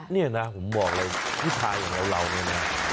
นี่นะผมบอกเลยวิทยาลัยเหล่าเราเนี่ยนะ